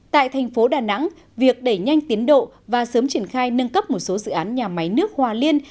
tại thành phố đà nẵng việc đẩy nhanh tiến độ và sớm triển khai nâng cấp một số dự án nhà máy nước hòa liên